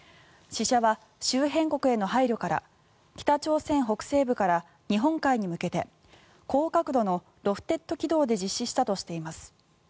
試射は周辺国への配慮から北朝鮮北西部から日本海に向けて高角度のロフテッド軌道で実施したとしています。